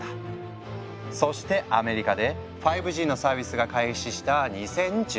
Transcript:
そしてアメリカで５Ｇのサービスが開始した２０１９年。